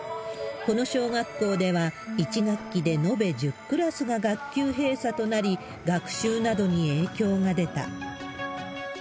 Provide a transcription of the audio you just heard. この小学校では、１学期で延べ１０クラスが学級閉鎖となり、学習などに影響が出た。